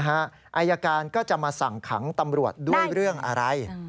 อายการก็จะมาสั่งขังตำรวจด้วยเรื่องอะไร